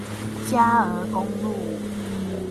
佳鵝公路